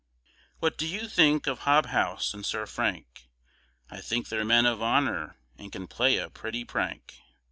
What do you think of Hobhouse and Sir Frank? I think they're men of honour, & can play a pretty prank.